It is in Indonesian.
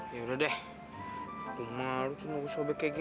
yaudah deh aku malu sih mau gue sobek kayak gini